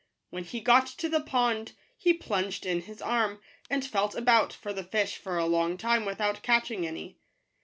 When he got to the pond, he plunged in his arm, and felt about for the fish for a long time without catching any.